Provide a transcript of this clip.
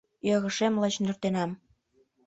Ӧрышем лач нӧртенам.